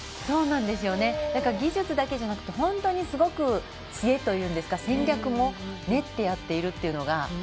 だから技術だけじゃなく本当にすごく知恵というんですか、戦略も練ってやっているというのが。